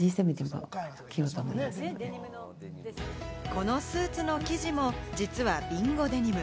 このスーツの生地も実は備後デニム。